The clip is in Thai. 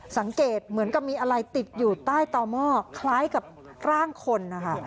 สังเกตเหมือนกับมีอะไรติดอยู่ใต้ต่อหม้อคล้ายกับร่างคนนะคะ